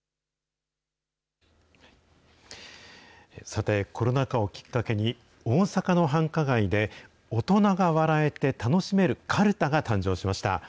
さて、コロナ禍をきっかけに、大阪の繁華街で大人が笑えて楽しめるかるたが誕生しました。